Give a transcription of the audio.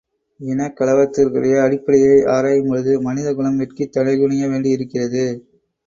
இனக்கலவரத்திற்குரிய அடிப்படையை ஆராயும்பொழுது மனித குலம் வெட்கித் தலைகுனிய வேண்டியிருக்கிறது.